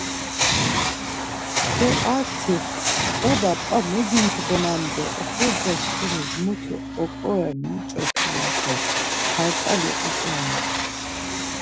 Do arti ‘baba paa megincğonam do oxorcaçkimis mutu oǩorem yuç̌opi’ ya do kart̆ali unç̌arams.